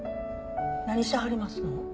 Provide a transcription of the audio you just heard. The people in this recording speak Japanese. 何してはりますの？